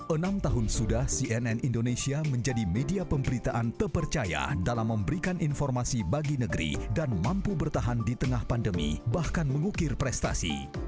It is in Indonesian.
enam tahun sudah cnn indonesia menjadi media pemberitaan terpercaya dalam memberikan informasi bagi negeri dan mampu bertahan di tengah pandemi bahkan mengukir prestasi